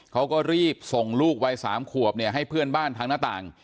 เขาก็รีบส่งลูกวัย๓ขวบเนี่ยให้เพื่อนบ้านทางหน้าต่าง